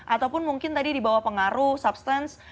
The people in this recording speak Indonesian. ataupun mungkin tadi dibawah pengaruh substance